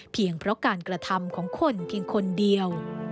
เพราะการกระทำของคนเพียงคนเดียว